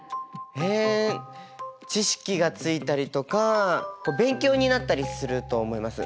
えっ知識がついたりとか勉強になったりすると思います。